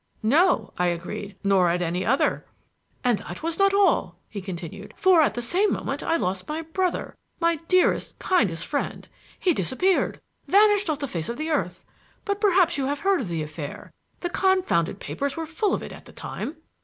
"No," I agreed, "nor at any other." "And that was not all," he continued; "for at the same moment I lost my brother, my dearest, kindest friend. He disappeared vanished off the face of the earth; but perhaps you have heard of the affair. The confounded papers were full of it at the time."